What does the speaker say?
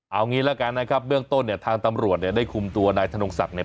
เอางี้ละกันนะครับเบื้องต้นเนี่ยทางตำรวจเนี่ยได้คุมตัวนายธนงศักดิ์เนี่ย